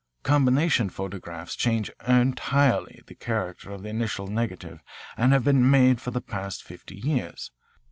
Combination photographs change entirely the character of the initial negative and have been made for the past fifty years.